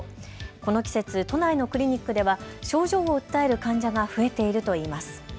この季節、都内のクリニックでは症状を訴える患者が増えているといいます。